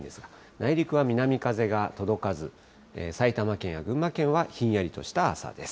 内陸は南風が届かず、埼玉県や群馬県はひんやりとした朝です。